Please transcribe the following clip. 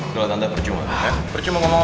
tante anis aku mau pergi